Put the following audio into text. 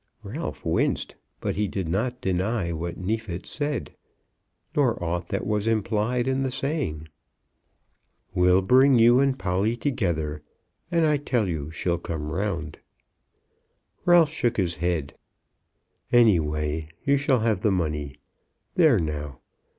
Ralph winced, but he did not deny what Neefit said, nor aught that was implied in the saying. "We'll bring you and Polly together, and I tell you she'll come round." Ralph shook his head. "Anyways you shall have the money; there now.